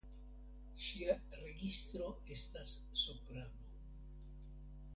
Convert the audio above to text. Ŝia registro estas soprano.